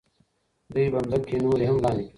دوی به ځمکې نورې هم لاندې کړي.